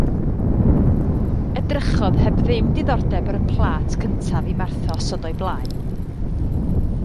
Edrychodd heb ddim diddordeb ar y plât cyntaf i Martha osod o'i blaen.